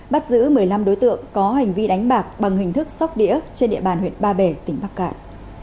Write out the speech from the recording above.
bắt giữ một mươi năm đối tượng có hành vi đánh bạc bằng hình thức sóc đĩa trên địa bàn huyện ba bể tỉnh bắc cạn